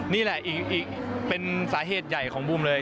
นี่แหละอีกเป็นสาเหตุใหญ่ของบูมเลย